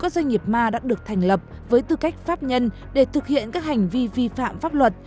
xin chào và hẹn gặp lại